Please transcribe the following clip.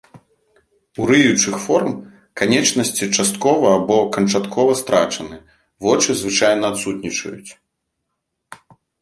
У рыючых форм канечнасці часткова або канчаткова страчаны, вочы звычайна адсутнічаюць.